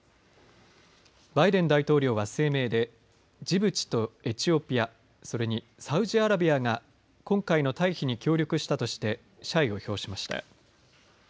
バイデン大統領は声明でジブチとエチオピアそれにサウジアラビアが今回の退避に協力したとして謝意を表しました。